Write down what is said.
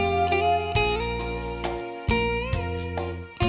ขอโชคดีค่ะ